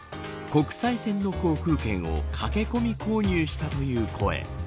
国際線の航空券を駆け込み購入したという声。